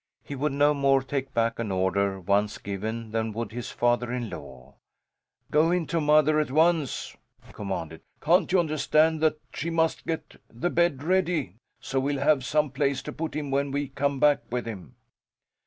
He would no more take back an order once given than would his father in law. "Go into mother at once!" he commanded. "Can't you understand that she must get the bed ready so we'll have some place to put him when we come back with him?"